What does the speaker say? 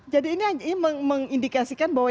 jadi ini mengindikasikan bahwa